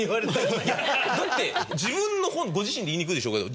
だって自分の本ご自身で言いにくいでしょうけど。